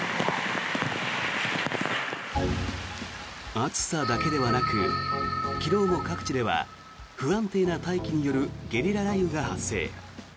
暑さだけではなく昨日も各地では不安定な大気によるゲリラ雷雨が発生。